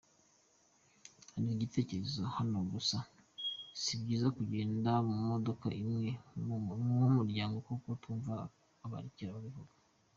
Andika Igitekerezo Hanogusa sibyiza kugenda mumodoka imwe ngumuryango kuko tumva abakera babivuga.